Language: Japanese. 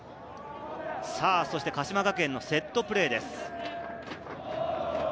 鹿島学園のセットプレーです。